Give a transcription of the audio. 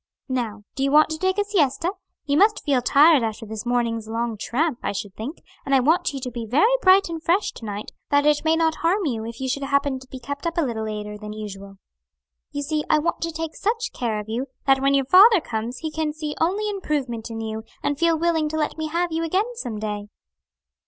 Now, do you want to take a siesta? you must feel tired after this morning's long tramp, I should think, and I want you to be very bright and fresh to night, that it may not harm you if you should happen to be kept up a little later than usual. You see I want to take such care of you, that when your father comes he can see only improvement in you, and feel willing to let me have you again some day."